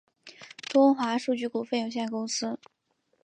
东华书局股份有限公司